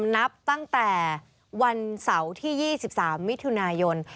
นับตั้งแต่วันเสาร์ที่๒๓มิถุนายน